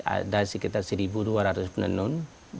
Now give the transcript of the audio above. ada sekitar satu dua ratus penenun